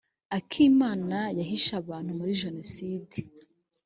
akimana yahishe abantu muri jenoside